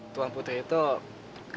tuan putri itu